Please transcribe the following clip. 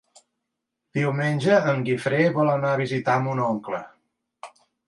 Diumenge en Guifré vol anar a visitar mon oncle.